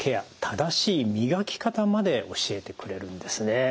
正しい磨き方まで教えてくれるんですね。